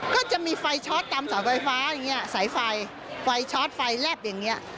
ก็จะมีไฟช็อตตามเสาไฟฟ้าอย่างเงี้สายไฟไฟชอตไฟแลบอย่างเงี้ย